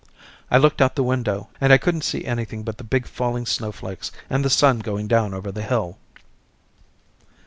I looked out the window and I couldn't see anything but the big falling snowflakes and the sun going down over the hill.